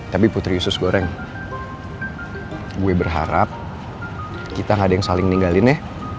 tapi putri usus goreng gue berharap kita gak ada yang saling ninggalin ya